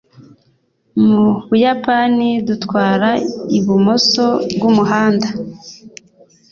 Mu Buyapani, dutwara ibumoso bwumuhanda.